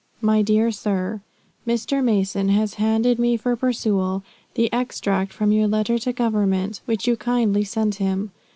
"My dear Sir, "Mr. Mason has handed me for perusal, the extract from your letter to Government, which you kindly sent him.